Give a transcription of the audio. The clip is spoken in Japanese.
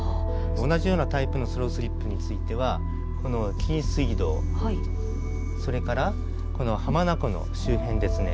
同じようなタイプのスロースリップについてはこの紀伊水道それから浜名湖の周辺ですね。